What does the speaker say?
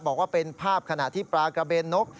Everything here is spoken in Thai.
บอกว่าเป็นภาพขณะที่ปลากระเบนนก